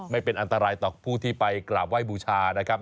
ไม่เป็นอันตรายต่อผู้ที่ไปกราบไหว้บูชานะครับ